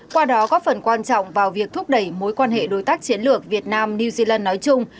qua đó góp phần quan trọng vào việc thúc đẩy mối quan hệ đối tác chiến lược việt nam new zealand nói chung